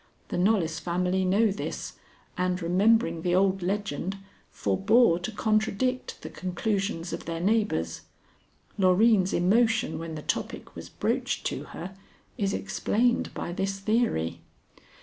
The Knollys family know this, and, remembering the old legend, forbore to contradict the conclusions of their neighbors. Loreen's emotion when the topic was broached to her is explained by this theory."